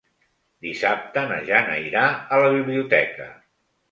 Dissabte na Jana irà a la biblioteca.